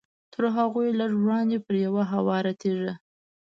تر هغوی لږ وړاندې پر یوه هواره تیږه.